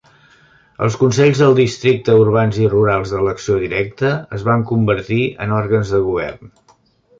Els consells del districte urbans i rurals d'elecció directa es van convertir en òrgans de govern.